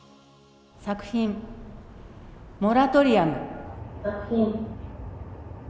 作品「モラトリアム」。